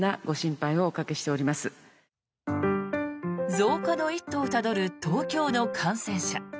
増加の一途をたどる東京の感染者。